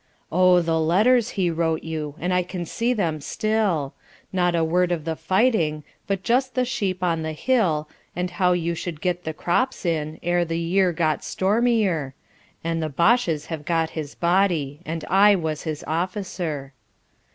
Oh, the letters he wrote you, And I can see them still. Not a word of the fighting But just the sheep on the hill And how you should get the crops in Ere the year got stormier, 40 And the Bosches have got his body. And I was his officer.